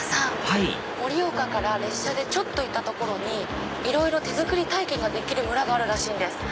はい盛岡から列車でちょっと行った所にいろいろ手作り体験ができる村があるらしいんです。